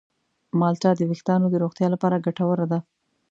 مالټه د ویښتانو د روغتیا لپاره ګټوره ده.